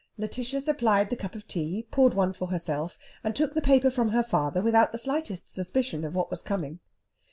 Lætitia supplied the cup of tea, poured one for herself, and took the paper from her father without the slightest suspicion of what was coming.